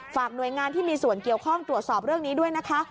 หน่วยงานที่มีส่วนเกี่ยวข้องตรวจสอบเรื่องนี้ด้วยนะคะ